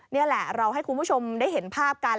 นี่แหละเราให้คุณผู้ชมได้เห็นภาพกัน